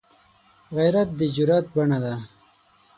غیرت د جرئت بڼه ده